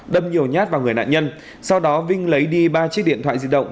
đâm nhiều nhát vào người nạn nhân sau đó vinh lấy đi ba chiếc điện thoại di động